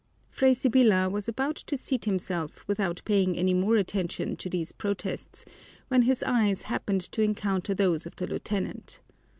Fray Sibyla was about to seat himself without paying any more attention to these protests when his eyes happened to encounter those of the lieutenant.